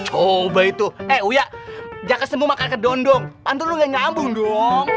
coba itu eh uya jangan kesemu makan ke dondong pantun lu nggak nyambung dong